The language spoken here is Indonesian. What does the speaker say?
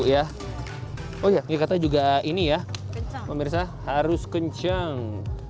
oh iya dia kata juga ini ya harus kencang